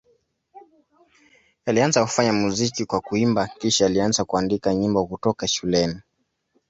Alianza kufanya muziki kwa kuimba, kisha alianza kuandika nyimbo kutoka shuleni.